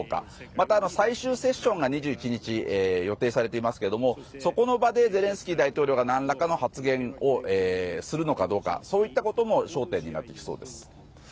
また、最終セッションが２１日に予定されていますがそこの場でゼレンスキー大統領が何らかの発言をするのかどうかそういったことも焦点になってきそうです。